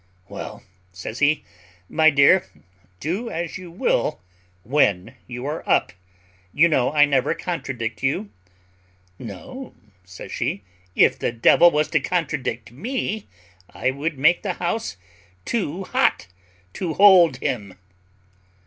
"Well," says he, "my dear, do as you will, when you are up; you know I never contradict you." "No," says she; "if the devil was to contradict me, I would make the house too hot to hold him."